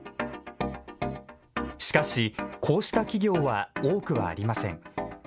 しかし、こうした企業は多くはありません。